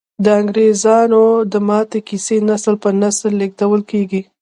د انګریزامو د ماتې کیسې نسل په نسل لیږدول کیږي.